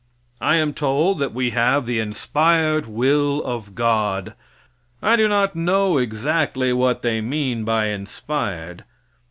I am told that we have the inspired will of God. I do not know exactly what they mean by inspired.